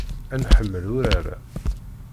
Ad nḥemmel urar-a.